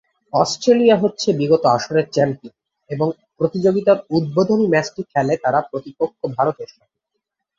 Australia হচ্ছে বিগত আসরের চ্যাম্পিয়ন, এবং প্রতিযোগিতার উদ্বোধনী ম্যাচটি খেলে তারা প্রতিপক্ষ ভারতের সাথে।